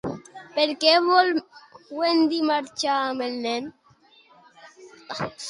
Per què vol Wendy marxar amb el nen?